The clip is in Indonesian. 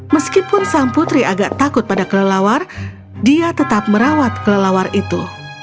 meskipun sang putri agak takut pada kelelawar dia tetap merawat kelelawar itu